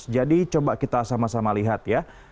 jadi coba kita sama sama lihat ya